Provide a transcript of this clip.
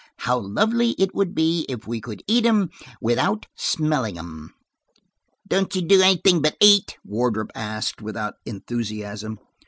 How lovely it would be if we could eat 'em without smelling 'em!" "Don't you do anything but eat?" Wardrop asked, without enthusiasm.